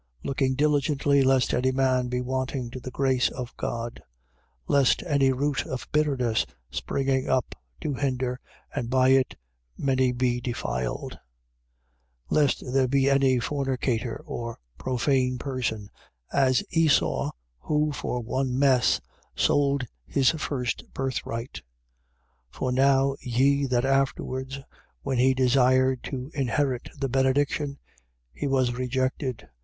12:15. Looking diligently, lest any man be wanting to the grace of God: lest any root of bitterness springing up do hinder and by it many be defiled: 12:16. Lest there be any fornicator or profane person, as Esau who for one mess sold his first birthright. 12:17. For know ye that afterwards, when he desired to inherit the benediction, he was rejected.